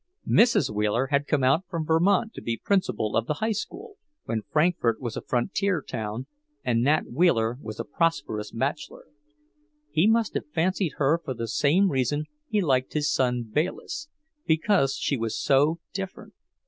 Mrs. Wheeler had come out from Vermont to be Principal of the High School, when Frankfort was a frontier town and Nat Wheeler was a prosperous bachelor. He must have fancied her for the same reason he liked his son Bayliss, because she was so different.